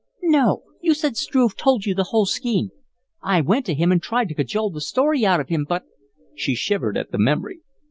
"No. You said Struve told you the whole scheme. I went to him and tried to cajole the story out of him, but " She shivered at the memory.